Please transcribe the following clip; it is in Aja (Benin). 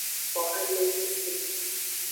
Xo ameji se.